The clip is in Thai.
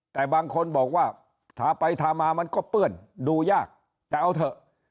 แต่บางคนบอกว่าทาไปทามามันก็เปื้อนดูยากแต่เอาเถอะ